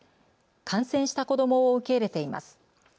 感染した子どもを受け入れています。